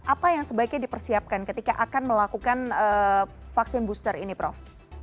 apa yang sebaiknya dipersiapkan ketika akan melakukan vaksin booster ini prof